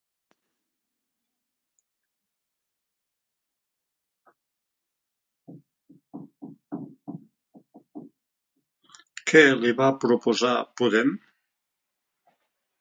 Què li va proposar Podem?